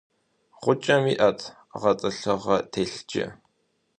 Гъукӏэм иӏэт гъэтӏылъыгъэ телъыджэ.